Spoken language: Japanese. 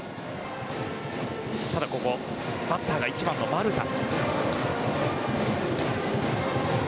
ただここバッターが１番の丸田。